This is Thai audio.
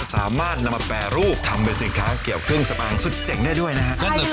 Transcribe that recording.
สามารถนำมาแปรรูปทำเป็นสินค้าเกี่ยวเครื่องสปางสุดเจ๋งได้ด้วยนะครับ